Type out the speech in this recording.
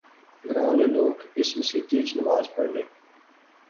گراں نے لوک اس مسیتی اچ نماز پڑھنے